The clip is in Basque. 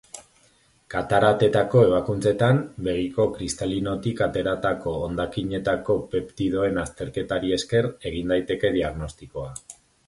Kataratetako ebakuntzetan, begiko kristalinotik ateratako hondakinetako peptidoen azterketari esker egin daiteke diagnostikoa.